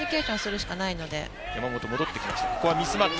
山本、戻ってきました。